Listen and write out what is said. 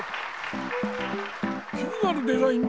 気になるデザイン